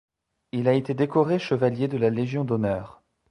Il a été décoré Chevalier de la Légion d'honneur.